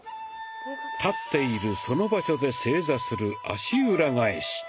立っているその場所で正座する「足裏返し」。